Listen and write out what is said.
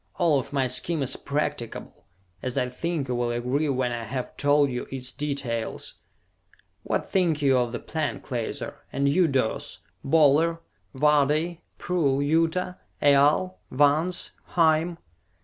"All of my scheme is practicable, as I think you will agree when I have told you its details. What think you of the plan, Klaser? And you, Durce? Boler? Vardee? Prull? Yuta? Aal? Vance? Hime?"